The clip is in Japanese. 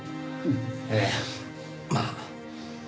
ええまあ。